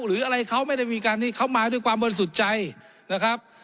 หรืออะไรเขาไม่ได้มีการที่เขามาด้วยความบริสุทธิ์ใจนะครับ